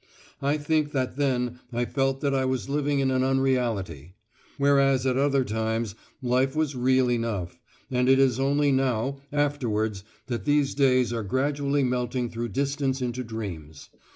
I think that then I felt that I was living in an unreality; whereas at other times life was real enough; and it is only now, afterwards, that these days are gradually melting through distance into dreams.